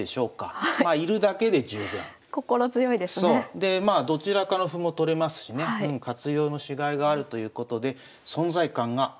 でまあどちらかの歩も取れますしね活用のしがいがあるということで存在感がある。